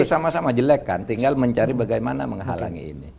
itu sama sama jelek kan tinggal mencari bagaimana menghalangi ini